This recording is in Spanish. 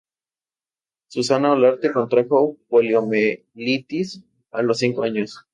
Susana Olarte contrajo poliomielitis a los cinco años.